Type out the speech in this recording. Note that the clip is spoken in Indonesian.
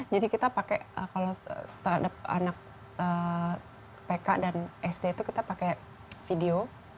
jadi kita pakai kalau terhadap anak pk dan sd itu kita pakai video